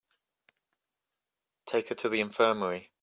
Take her to the infirmary.